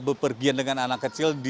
bepergian dengan anak kecil